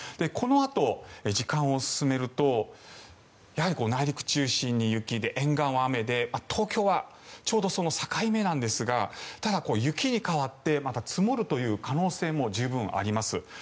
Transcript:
このあと時間を進めると内陸中心に雪で沿岸は雨で東京は、ちょうど境目なんですがただ、雪に変わって積もるという可能性も十分あります。